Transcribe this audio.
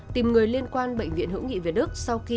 tìm người liên quan bệnh viện hữu nghị việt đức